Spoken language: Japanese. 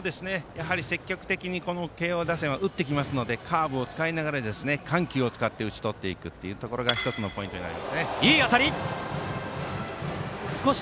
積極的に慶応打線は打ってきますのでカーブを使いながら緩急を使って打ち取っていくというところが１つのポイントになりますね。